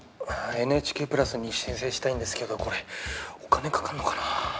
ＮＨＫプラスに申請したいんですけどこれお金かかんのかな？